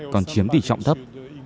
còn chiếm tỷ trọng thấp